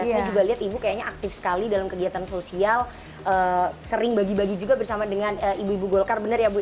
saya juga lihat ibu kayaknya aktif sekali dalam kegiatan sosial sering bagi bagi juga bersama dengan ibu ibu golkar benar ya bu ya